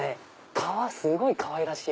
革すごいかわいらしい！